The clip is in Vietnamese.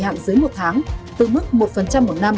hạn dưới một tháng từ mức một phần trăm